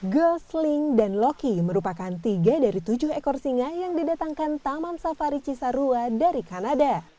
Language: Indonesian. girl sling dan loki merupakan tiga dari tujuh ekor singa yang didatangkan taman safari cisarua dari kanada